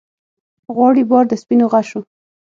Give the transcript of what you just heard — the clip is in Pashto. غواړي بار د سپینو غشو